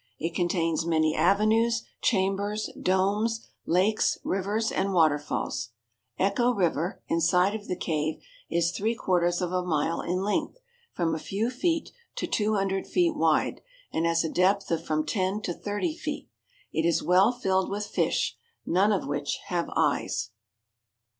It contains many avenues, chambers, domes, lakes, rivers, and waterfalls. Echo River, inside of the cave, is 3/4 of a mile in length, from a few feet to 200 ft. wide, and has a depth of from 10 to 30 ft. It is well filled with fish, none of which have eyes.